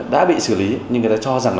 đã bị xử lý nhưng người ta cho rằng